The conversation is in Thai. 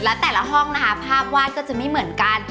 ทั้งแต่ละห้องภาพวาดจะไม่เหมือนกัน